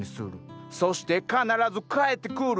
そして必ず帰ってくる！